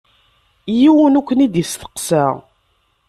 Yiwen ur ken-id-isteqsa.